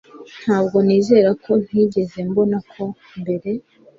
Ntabwo nizera ko ntigeze mbona ko mbere